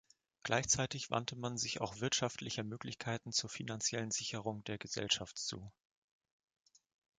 Gleichzeitig wandte man sich auch wirtschaftlicher Möglichkeiten zur finanziellen Sicherung der Gesellschaft zu.